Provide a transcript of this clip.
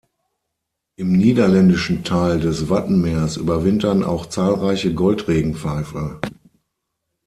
Im niederländischen Teil des Wattenmeers überwintern auch zahlreiche Goldregenpfeifer.